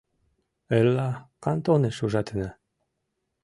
Эрла кантоныш ужатена.